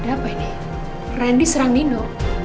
ada apa ini randy menyerang nino